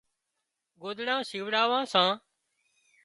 ڳوۮڙان شِوڙاوان سان